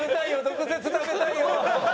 毒舌食べたいよ。